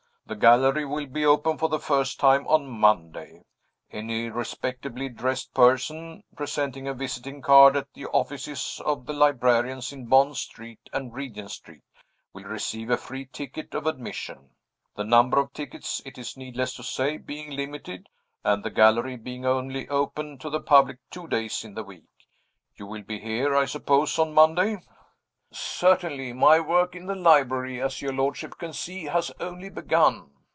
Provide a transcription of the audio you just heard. The gallery will be open for the first time on Monday. Any respectably dressed person, presenting a visiting card at the offices of the librarians in Bond Street and Regent Street, will receive a free ticket of admission; the number of tickets, it is needless to say, being limited, and the gallery being only open to the public two days in the week. You will be here, I suppose, on Monday?" "Certainly. My work in the library, as your lordship can see, has only begun."